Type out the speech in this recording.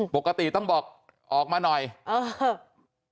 ปกติต้องบอกออกมาหน่อยเออ